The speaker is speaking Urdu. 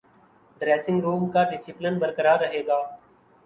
ڈریسنگ روم کا ڈسپلن برقرار رہے گا